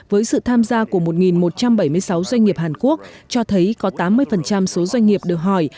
với sự tham gia của một một trăm bảy mươi sáu doanh nghiệp hàn quốc cho thấy có tám mươi số doanh nghiệp được hỏi